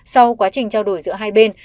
sau quá trình trao đổi giữa hai bên